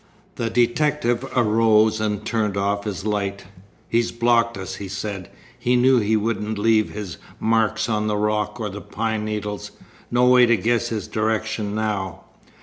The detective arose and turned off his light. "He's blocked us," he said. "He knew he wouldn't leave his marks on the rocks or the pine needles. No way to guess his direction now."